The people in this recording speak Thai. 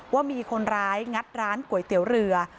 ว่ามีคนร้ายงัดร้านก๋วยเตี๋ยวเรือ